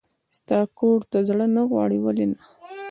ستا کور ته زړه نه غواړي؟ ولې نه.